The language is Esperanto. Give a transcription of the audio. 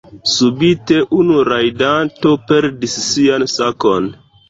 Subite unu rajdanto perdis sian sakon.